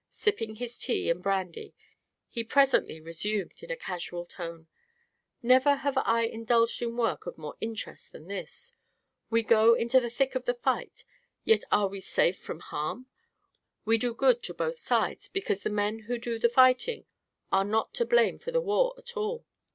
Sipping his tea and brandy he presently resumed, in a casual tone: "Never have I indulged in work of more interest than this. We go into the thick of the fight, yet are we safe from harm. We do good to both sides, because the men who do the fighting are not to blame for the war, at all.